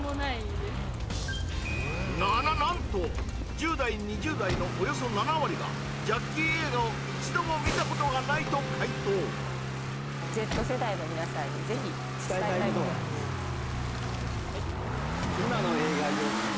１０代２０代のおよそ７割がジャッキー映画を一度も見たことがないと回答Ｚ世代の皆さんにぜひ伝えたいことがあるんです